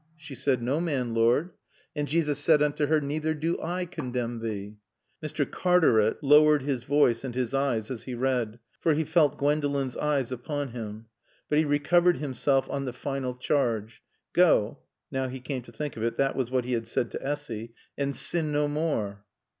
"She said, 'No man, Lord.' And Jesus said unto her, 'Neither do I condemn thee.'" Mr. Cartaret lowered his voice and his eyes as he read, for he felt Gwendolen's eyes upon him. But he recovered himself on the final charge. "'Go'" now he came to think of it, that was what he had said to Essy "'and sin no more.'"